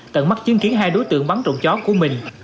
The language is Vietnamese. tận mắt chứng kiến hai đối tượng bắn trộm chó của mình